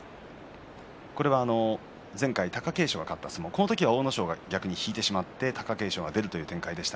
前回、貴景勝が勝った相撲もこの時は、阿武咲が引いてしまって貴景勝が出る展開でした。